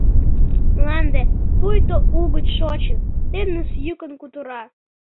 Мланде, пуйто угыч шочын, Тыныс йӱкын кутыра.